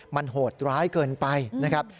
มันโหดร้ายเกินไปนะครับ